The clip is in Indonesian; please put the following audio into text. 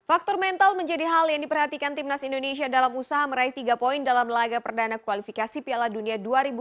faktor mental menjadi hal yang diperhatikan timnas indonesia dalam usaha meraih tiga poin dalam laga perdana kualifikasi piala dunia dua ribu dua puluh